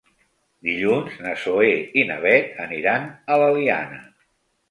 Dilluns na Zoè i na Bet aniran a l'Eliana.